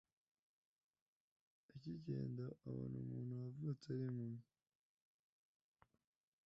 Akigenda abona umuntu wavutse ari impumyi